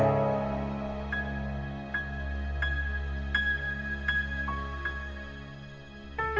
ke belakang bagaimana yang jauh berat tuh